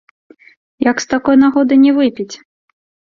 Як з такой нагоды не выпіць!